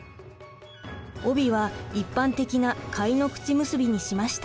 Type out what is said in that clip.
帯は一般的な貝の口結びにしました。